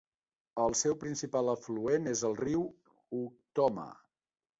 El seu principal afluent és el riu Ukhtoma.